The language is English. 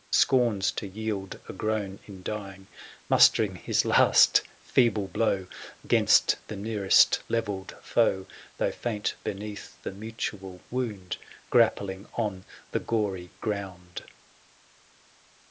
Scorns to yield a groan in dying ; Mustering his last feeble blow 'Gainst the nearest levelled foe, 44^ THE SIEGE OF CORINTH. Though faint beneath the mutual wound, '* '*^*^w)6 Grappling on the gory ground.